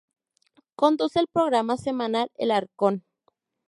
Conduce el programa semanal "El arcón.